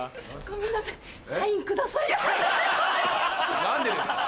ごめんなさいサインください。何でですか？